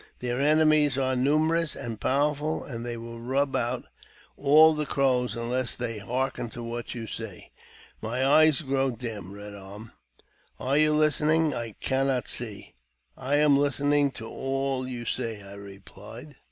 Their enemies are numerous and powerful, and they will rub out all the Crows unless they hearken to what you say. My eyes grow dim. Eed Arm, are you listening? I cannot see." " I am listening to all you say," I replied.